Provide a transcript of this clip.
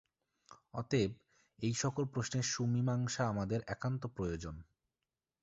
অতএব, এই-সকল প্রশ্নের সুমীমাংসা আমাদের একান্ত প্রয়োজন।